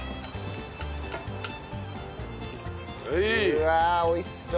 うわあ美味しそう！